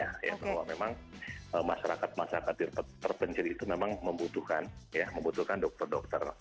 kalau memang masyarakat masyarakat terpencil itu memang membutuhkan dokter dokter